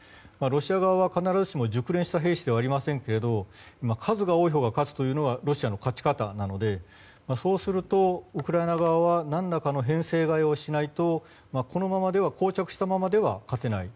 ロシア側は必ずしも熟練した兵士ではありませんが数が多いほうが勝つというのはロシアの勝ち方なのでそうすると、ウクライナ側は何らかの編成替えをしないと膠着したままでは勝てない。